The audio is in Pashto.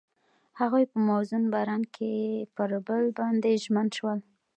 هغوی په موزون باران کې پر بل باندې ژمن شول.